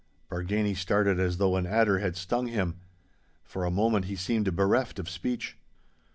Bargany started as though an adder had stung him. For a moment he seemed bereft of speech.